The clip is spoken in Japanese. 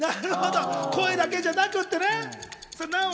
声だけじゃなくってね。